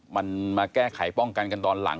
มันมาแก้ไขป้องกันกันตอนหลัง